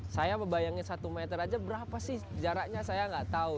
saya membayangin satu meter aja berapa sih jaraknya saya nggak tahu